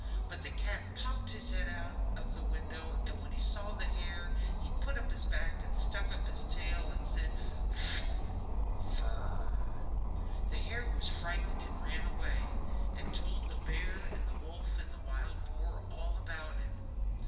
But the cat popped his head out of the window, and when he saw the hare he put up his back and stuck up his tail and said: "Ft t t t t Frrrrrrr!" The hare was frightened and ran away, and told the bear, the wolf and the wild boar all about it.